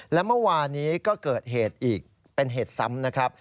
และเมื่อวานี้ก็เกิดเหตุอีกเป็นเหตุซ้ำนะครับ